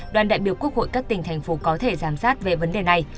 đoàn đại biểu quốc hội các tỉnh thành phố có thể giám sát về vấn đề này